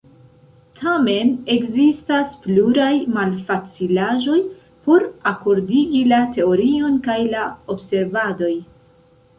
Tamen, ekzistas pluraj malfacilaĵoj por akordigi la teorion kaj la observadoj.